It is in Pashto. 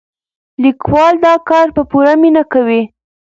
لیکوال دا کار په پوره مینه کوي.